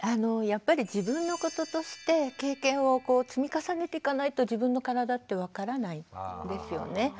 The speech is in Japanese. やっぱり自分のこととして経験を積み重ねていかないと自分の体って分からないですよね。